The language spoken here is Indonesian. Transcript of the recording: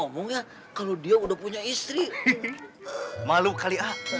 mau mau tunggu aja sampai bangun